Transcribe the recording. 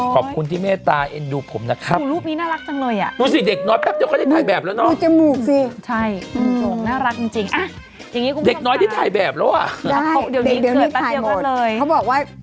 ขอบคุณที่แหม่ตาเอ็นดูผมนะครับ